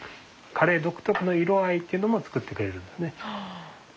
カレー独特の色合いっていうのも作ってくれるんですね。